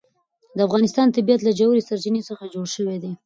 د افغانستان طبیعت له ژورې سرچینې څخه جوړ شوی دی.